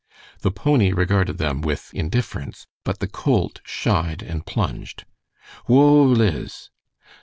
The pony regarded them with indifference, but the colt shied and plunged. "Whoa, Liz!"